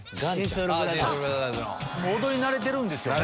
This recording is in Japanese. もう踊り慣れてるんですよね。